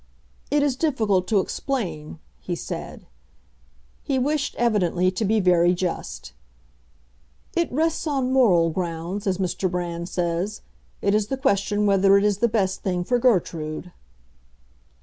"It is difficult to explain," he said. He wished, evidently, to be very just. "It rests on moral grounds, as Mr. Brand says. It is the question whether it is the best thing for Gertrude."